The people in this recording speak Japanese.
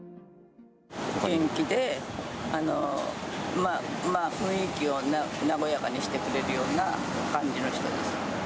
元気で雰囲気を和やかにしてくれるような感じの人です。